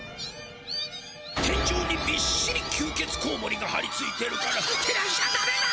天じょうにびっしりきゅう血コウモリがはりついてるからてらしちゃダメだ！